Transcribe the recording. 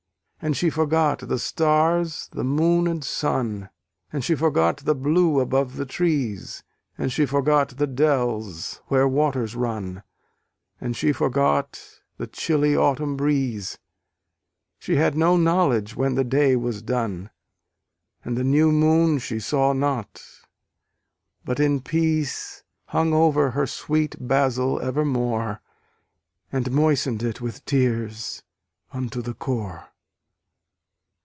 And she forgot the stars, the moon, and sun, And she forgot the blue above the trees, And she forgot the dells where waters run, And she forgot the chilly autumn breeze; She had no knowledge when the day was done, And the new moon she saw not: but in peace Hung over her sweet Basil evermore, And moisten'd it with tears unto the core.